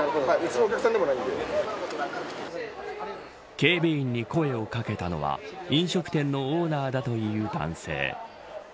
警備員に声をかけたのは飲食店のオーナーだという男性。